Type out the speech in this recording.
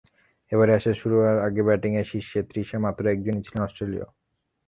এবারের অ্যাশেজ শুরু হওয়ার আগে ব্যাটিংয়ের শীর্ষ ত্রিশে মাত্র একজনই ছিলেন অস্ট্রেলীয়।